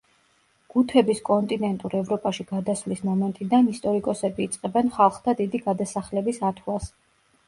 გუთების კონტინენტურ ევროპაში გადასვლის მომენტიდან ისტორიკოსები იწყებენ ხალხთა დიდი გადასახლების ათვლას.